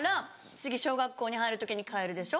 次小学校入る時に替えるでしょ。